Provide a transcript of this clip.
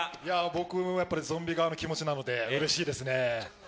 僕もゾンビ側の気持ちなので強いゾンビ、うれしいですね。